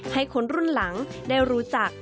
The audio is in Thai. ให้คนรุ่นหลังได้รู้จัก